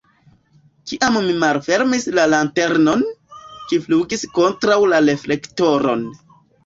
Kiam mi malfermis la lanternon, ĝi flugis kontraŭ la reflektoron.